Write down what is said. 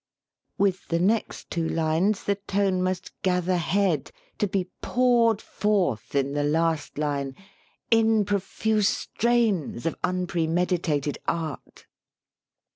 With the next two lines the tone must gather head to be poured forth in the last line, "In profuse strains of unpremeditated art."